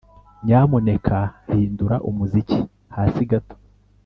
Nyamuneka hindura umuziki hasi gato